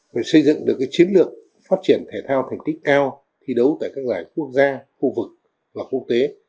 phải xây dựng được chiến lược phát triển thể thao thành tích cao thi đấu tại các giải quốc gia khu vực và quốc tế